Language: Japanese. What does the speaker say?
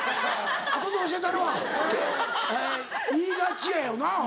後で教えたるわ」って言いがちやよな。